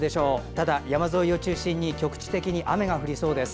ただ、山沿いを中心に局地的に雨が降りそうです。